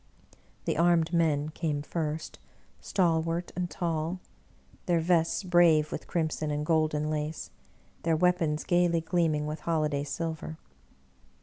The armed men came first, stalwart and tall, their vests brave with crimson and golden lace, their weapons gayly gleaming with holiday silver.